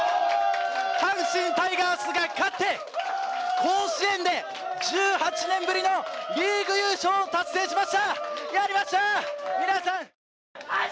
阪神タイガースが勝って甲子園で１８年ぶりのリーグ優勝を達成しました！